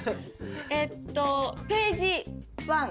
えっとページワン。